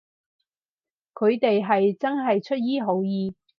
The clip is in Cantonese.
佢哋係真係出於好意